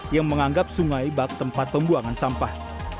yang menganggap sungai bak tempat pembuangan sampah